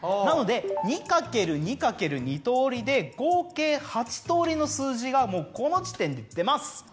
なので２×２×２通りで合計８通りの数字がもうこの時点で出ます。